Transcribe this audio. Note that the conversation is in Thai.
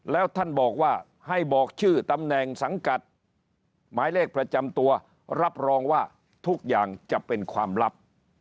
แล้วท่านบอกว่าให้บอกชื่อตำแหน่งสังกัดหมายเลขประจำตัวรับรองว่าทุกอย่างจะเป็นความลับ